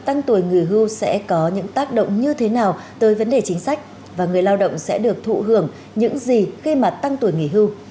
tăng tuổi người hưu sẽ có những tác động như thế nào tới vấn đề chính sách và người lao động sẽ được thụ hưởng những gì khi mà tăng tuổi nghỉ hưu